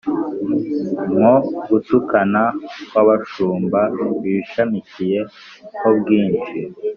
nko gutukana kw'abashumba: bishamikiye ho bwinshi,